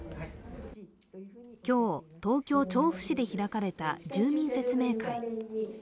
今日、東京・調布市で開かれた住民説明会。